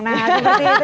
nah seperti itu